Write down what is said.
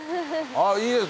あっいいです。